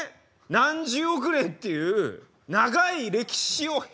何十億年っていう長い歴史を経てですね